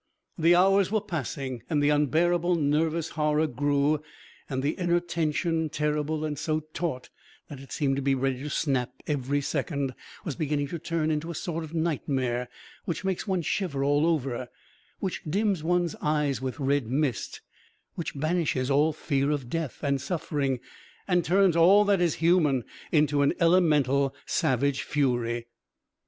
The hours were passing and the unbearable nervous horror grew, and the inner tension, terrible and so taut that it seemed to be ready to snap every second, was beginning to turn into a sort of nightmare, which makes one shiver all over, which dims one's eyes with red mist, which banishes all fear of death and suffering and turns all that is human into an elemental, savage fury.